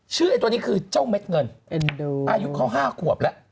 ไอ้ตัวนี้คือเจ้าเม็ดเงินอายุเขา๕ขวบแล้ว